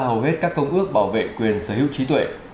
hầu hết các công ước bảo vệ quyền sở hữu trí tuệ